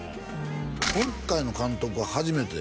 今回の監督は初めて？